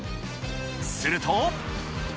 すると。